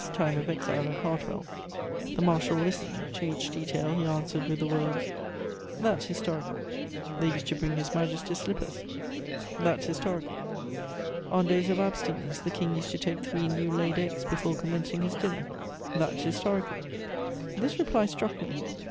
's time of exile at Hartwell; the marshal listened; to each detail he answered with the words: "That's historical." They used to bring His Majesty's slippers: "That's historical!" On days of abstinence the King used to take three new laid eggs before commencing his dinner: "That's historical!" This reply struck me.